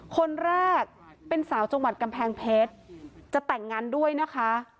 คนแรกเป็นสาวจังหวัดกำแพงเพชรจะแต่งงานด้วยนะคะ